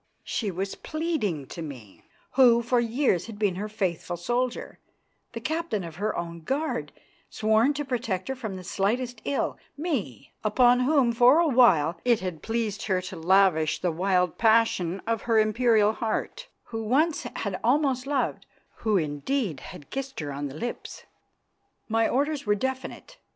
She was pleading to me, who for years had been her faithful soldier, the captain of her own guard, sworn to protect her from the slightest ill, me upon whom, for a while, it had pleased her to lavish the wild passion of her imperial heart, who once had almost loved who, indeed, had kissed her on the lips. My orders were definite.